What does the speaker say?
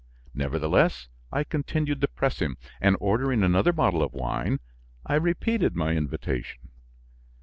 Nevertheless, I continued to press him, and, ordering another bottle of wine, I repeated my invitation.